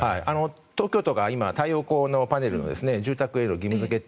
東京都が今、太陽光パネルを住宅への義務付け